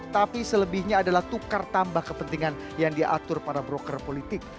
tapi selebihnya adalah tukar tambah kepentingan yang diatur para broker politik